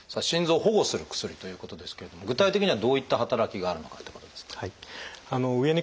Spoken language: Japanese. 心臓を保護する薬ということですけれども具体的にはどういった働きがあるのかってことですが。